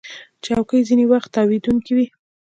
چوکۍ ځینې وخت تاوېدونکې وي.